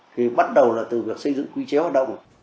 thì bắt đầu là từ việc xây dựng quy chế hoạt động